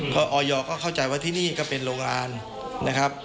ก็ออยก็เข้าใจว่าที่นี่ก็เป็นโรงงานนะครับ